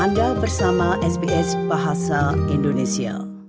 anda bersama sbs bahasa indonesia